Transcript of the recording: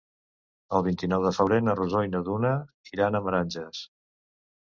El vint-i-nou de febrer na Rosó i na Duna aniran a Meranges.